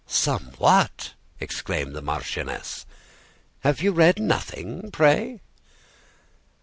"Somewhat!" exclaimed the marchioness. "Have you read nothing, pray?"